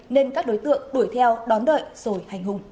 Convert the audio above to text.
nên các đối tượng đuổi theo đón đợi rồi hành hung